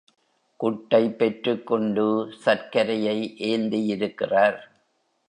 குட்டைப் பெற்றுக் கொண்டு சர்க்கரையை ஏந்தியிருக்கிறார்.